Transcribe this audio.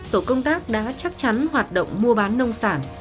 tổ công tác đã chắc chắn hoạt động mua bán nông sản